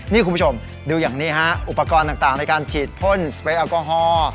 นี่คุณผู้ชมดูอย่างนี้ฮะอุปกรณ์ต่างในการฉีดพ่นสเปรยแอลกอฮอล์